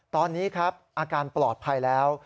ตอนนี้ครับอาการปลอดภัยแล้ว